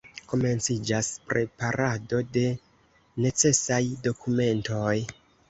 Komenciĝas preparado de necesaj dokumentoj.